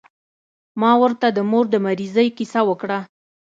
ما ورته د مور د مريضۍ کيسه وکړه.